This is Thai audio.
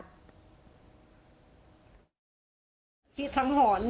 อายุ๖ขวบซึ่งตอนนั้นเนี่ยเป็นพี่ชายมารอเอาน้องชายไปอยู่ด้วยหรือเปล่าเพราะว่าสองคนนี้เขารักกันมาก